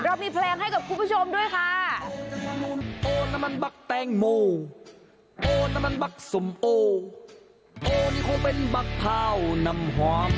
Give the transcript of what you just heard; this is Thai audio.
เรามีเพลงให้กับคุณผู้ชมด้วยค่ะ